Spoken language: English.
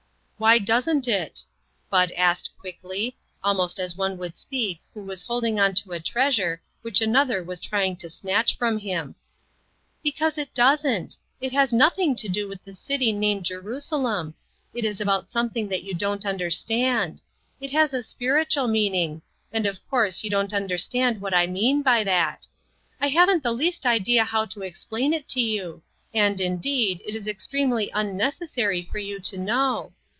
"Why doesn't it?" Bud asked, quickly; almost as one would speak who was hold ing on to a treasure which another was try ing to snatch from him. " Because it doesn't. It has nothing to do with the city named Jerusalem. It is about something that you don't understand. It has a spiritual meaning ; and of course you don't understand what I mean by that ! I haven't the least idea how to explain it to you, and indeed, it is extremely unnec essary for you to know.